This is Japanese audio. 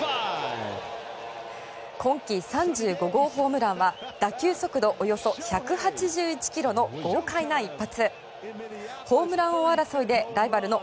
今季３５号ホームランは打球速度およそ１８１ｋｍの豪快な一発。